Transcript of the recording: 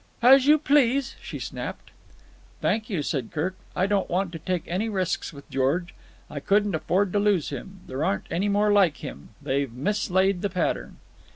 "As you please," she snapped. "Thank you," said Kirk. "I don't want to take any risks with George. I couldn't afford to lose him. There aren't any more like him: they've mislaid the pattern."